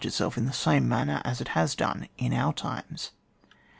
[book vul itself in the same maimer as it has done in OUT times.